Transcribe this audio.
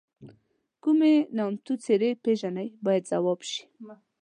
کومې نامتو څېرې پیژنئ باید ځواب شي.